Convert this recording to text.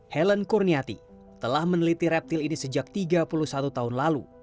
helen kurniati telah meneliti reptil ini sejak tiga puluh satu tahun lalu